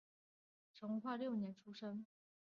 成化六年出生。